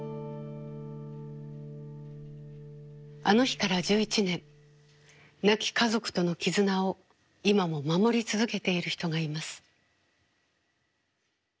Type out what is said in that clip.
あの日から１１年亡き家族との絆を今も守り続けている人がいます。